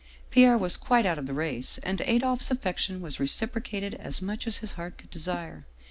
Pierre was quite out of the race and Adolphe's affection was reciprocated as much as his heart could desire.